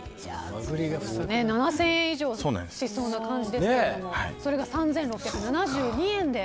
７０００円以上しそうな感じですがそれが３６７２円で。